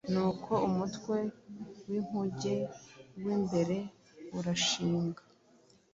nuko umutwe w’inkuge w’imbere urashinga,